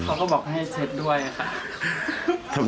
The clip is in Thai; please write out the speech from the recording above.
เขาก็บอกให้เช็ดด้วยค่ะ